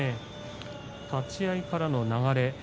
立ち合いからの流れ